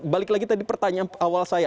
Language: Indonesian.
balik lagi tadi pertanyaan awal saya